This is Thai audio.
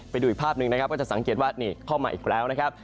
ไปดูอีกภาพหนึ่งนะครับก็จะสังเกตว่านี่เข้ามาอีกแล้วนะครับ